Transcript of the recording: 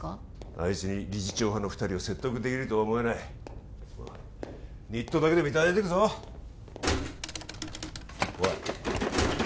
あいつに理事長派の二人を説得できるとは思えない日当だけでもいただいていくぞおい